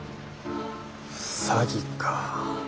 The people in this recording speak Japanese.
詐欺か。